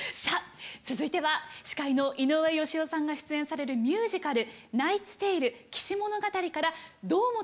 続いては司会の井上芳雄さんが出演されるミュージカル「ナイツ・テイル−騎士物語−」から堂本光一さん。